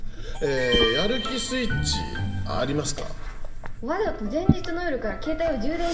やる気スイッチありますか？